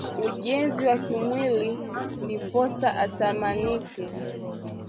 ujenzi wa kimwili ndiposa atamanike